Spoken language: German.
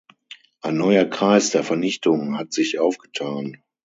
Ein neuer Kreis der Vernichtung hat sich aufgetan.